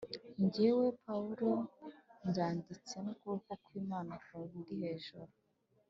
Jyewe Pawulo mbyanditse n ukuboko ku Imana kundi hejuru